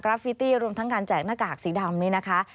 ฟิตี้รวมทั้งการแจกหน้ากากสีดำนี้นะคะ